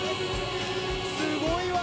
すごいわ。